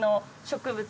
植物。